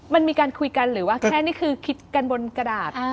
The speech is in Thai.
มันมีการคุยกันหรือว่าแค่นี้คือคิดกันบนกระดาษ